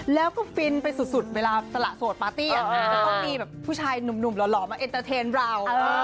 แล้วก็ฟินไปสุดเวลาสละโสดปาร์ตี้จะต้องมีแบบผู้ชายหนุ่มหล่อมาเอ็นเตอร์เทนเรา